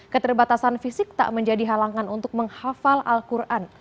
keterbatasan fisik tak menjadi halangan untuk menghafal al quran